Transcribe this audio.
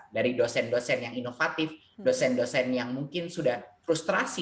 dari dosen dosen yang inovatif dosen dosen yang mungkin sudah frustrasi